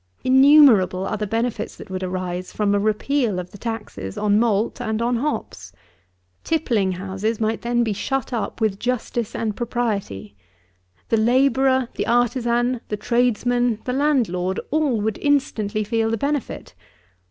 75. Innumerable are the benefits that would arise from a repeal of the taxes on malt and on hops. Tippling houses might then be shut up with justice and propriety. The labourer, the artisan, the tradesman, the landlord, all would instantly feel the benefit.